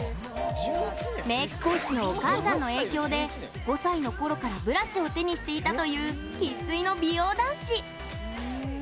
メーク講師のお母さんの影響で５歳のころからブラシを手にしていたという生っ粋の美容男子。